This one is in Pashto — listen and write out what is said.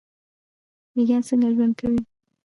میږیان څنګه ژوند کوي؟